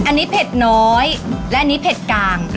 อันนี้เผ็ดน้อยและอันนี้เผ็ดกลาง